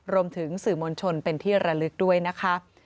รวมถึงสื่อมวลชนเป็นที่ระลึกด้วยนะคะ